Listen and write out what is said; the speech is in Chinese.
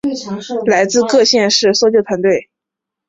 来自各县市的搜救团队